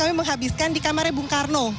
kami menghabiskan di kamarnya bung karno